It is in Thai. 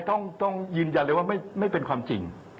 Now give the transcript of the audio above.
โอนั้นมาลัยต้องยืนยันเลยว่าไม่เป็นความจริง